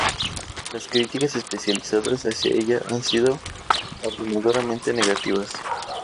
Las críticas especializadas hacia ella han sido abrumadoramente negativas.